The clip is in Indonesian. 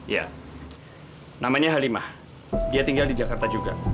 ya namanya halimah dia tinggal di jakarta juga